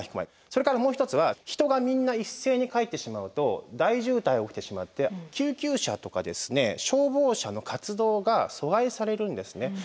それからもう一つは人がみんな一斉に帰ってしまうと大渋滞が起きてしまって救急車とかですね消防車の活動が阻害されるんですね。